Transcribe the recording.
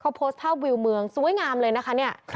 เขาโพสต์ภาพวิวเมืองสวยงามเลยนะคะเนี่ย